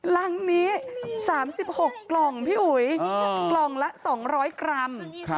รังนี้๓๖กล่องพี่อุ๋ยกล่องละ๒๐๐กรัม